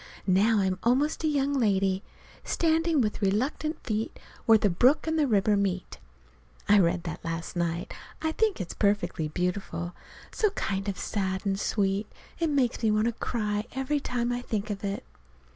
Now I'm almost a young lady, "standing with reluctant feet where the brook and river meet." (I read that last night. I think it's perfectly beautiful. So kind of sad and sweet. It makes me want to cry every time I think of it.)